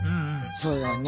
そうだね。